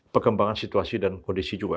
perkembangan situasi dan kondisi juga